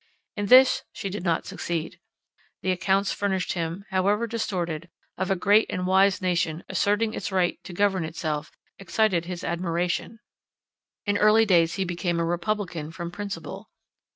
In this she did not succeed. The accounts furnished him, however distorted, of a great and wise nation asserting its right to govern itself, excited his admiration: in early days he became a republican from principle.